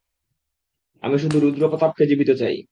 আমি শুধু রুদ্র প্রতাপকে জীবিত চাই।